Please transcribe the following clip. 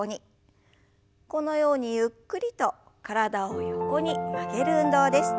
このようにゆっくりと体を横に曲げる運動です。